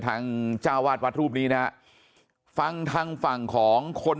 เจ้าวาดวัดรูปนี้นะฮะฟังทางฝั่งของคน